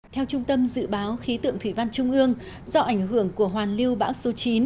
theo trung tâm dự báo khí tượng thủy văn trung ương do ảnh hưởng của hoàn lưu bão số chín